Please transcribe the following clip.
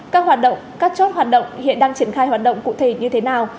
các hoạt động các chốt hoạt động hiện đang triển khai hoạt động cụ thể như thế nào